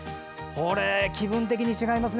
気分的に違いますね